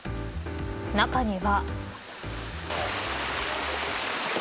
中には。